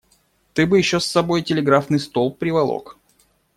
Ты бы еще с собой телеграфный столб приволок.